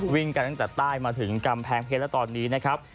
วิ่งกันตั้งแต่ใต้มาถึงกำแพงเพชรและตอนนี้นะครับ